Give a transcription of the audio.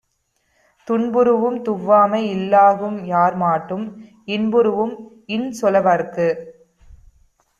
துன்புறூஉம் துவ்வாமை இல்லாகும் யார்மாட்டும் இன்புறூஉம் இன்சொ லவர்க்கு.